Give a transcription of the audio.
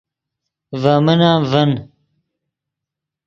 ڤے من ام ڤین